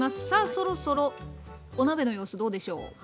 さあそろそろお鍋の様子どうでしょう？